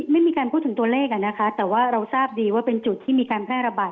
ไม่มีการพูดถึงตัวเลขนะคะแต่ว่าเราทราบดีว่าเป็นจุดที่มีการแพร่ระบาด